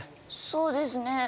そうですね。